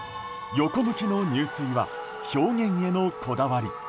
横向きの入水は表現へのこだわり。